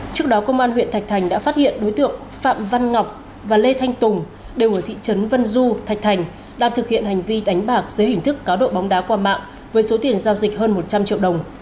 trước đó công an huyện thạch thành đã phát hiện đối tượng phạm văn ngọc và lê thanh tùng đều ở thị trấn vân du thạch thành đang thực hiện hành vi đánh bạc dưới hình thức cá độ bóng đá qua mạng với số tiền giao dịch hơn một trăm linh triệu đồng